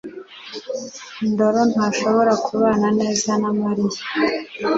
ndoro ntashobora kubana neza na Mariya